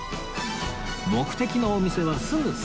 目的のお店はすぐそこ